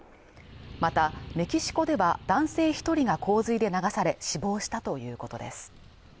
またメキシコでは男性一人が洪水で流され死亡したということです